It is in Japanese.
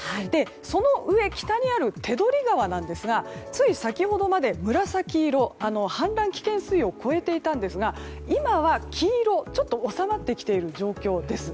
その上、北にある手取川ですがつい先ほどまで紫色氾濫危険水位を超えていたんですが今は黄色で、ちょっと収まってきている状況です。